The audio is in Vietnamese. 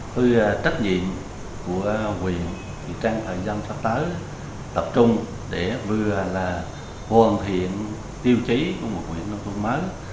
thứ trách nhiệm của huyện thì trang thời gian sắp tới tập trung để vừa là hoàn thiện tiêu chí của một huyện nông thôn mới